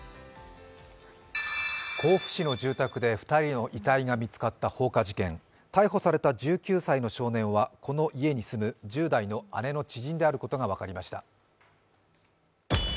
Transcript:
甲府市の住宅で２人の遺体が見つかった放火事件逮捕された１９歳の少年はこの家に住む１０代の姉の知人であることが分かりました。